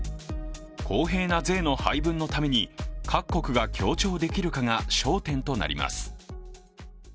公平な税の配分のために各国が協調できるかが焦点となります。